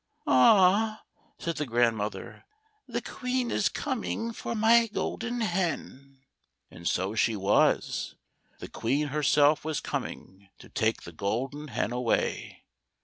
" Ah 1 " said the grandmother, "the Queen is coming for my Golden Hen." And so she was. The Queen herself was coming to take the Golden Hen away.